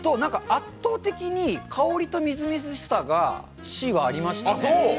圧倒的に香りとみずみずしさが、Ｃはありましたね。